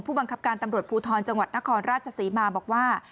บังคับการตำรวจภูทรจังหวัดนครราชศรีมาบอกว่า